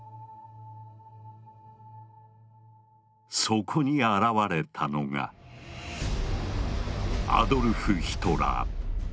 そこに現れたのがアドルフ・ヒトラー。